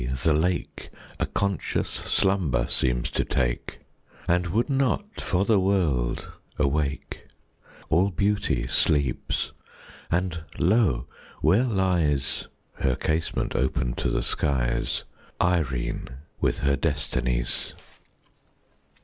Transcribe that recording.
the lake A conscious slumber seems to take, And would not, for the world, awake. All Beauty sleeps! and lo! where lies (Her casement open to the skies) Irene, with her Destinies!